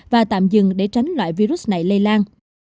và tạm dừng để tránh loại virus này lây lan